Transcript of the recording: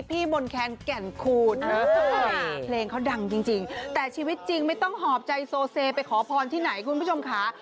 พี่มนต์แคนแก่นคูณเพลงเขาดังจริงแต่ชีวิตจริงไม่ต้องหอบใจโซเซไปขอพรที่ไหนคุณผู้ชมค่ะ